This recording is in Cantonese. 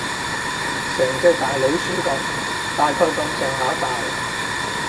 成隻大老鼠噉，大概噉上下大